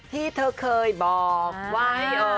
พี่เธอเคยบอกว่าให้เอ่อ